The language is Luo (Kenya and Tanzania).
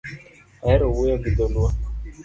Ahero wuoyo gi dholuo